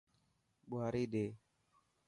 ٻواري ڏي.